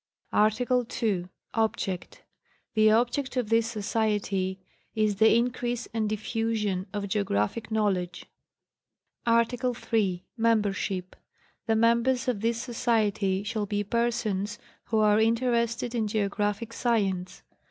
ARTICLE II. Osserct. The object of this Society is the increase and dijfusion of geo graphic knowledge. ArtTIcLE III]. Memepersutr. The members of this Society shall be persons who are interested in geographic science.